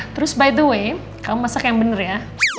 terus by the way kamu masak yang benar ya